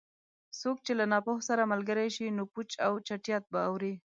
څوک چې له ناپوه سره ملګری شي؛ نو پوچ او چټیات به اوري.